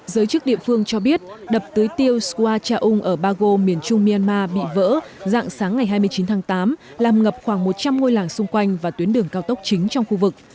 giới chức địa phương cho biết đập tưới tiêu squa chaung ở bago miền trung myanmar bị vỡ dạng sáng ngày hai mươi chín tháng tám làm ngập khoảng một trăm linh ngôi làng xung quanh và tuyến đường cao tốc chính trong khu vực